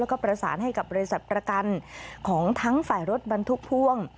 แล้วก็ประสานให้กับบริษัทประกันของทั้งฝ่ายรถบรรทุกพ่วง